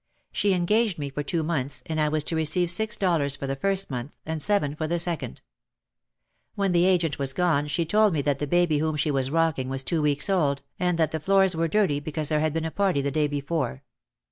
She engaged me for two months and I was to receive six dollars for the first month and seven for the second. When the agent was gone she told me that the baby whom she was rocking was two weeks old and that the floors were dirty because there had been a party the day before.